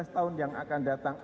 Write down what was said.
lima belas tahun yang akan datang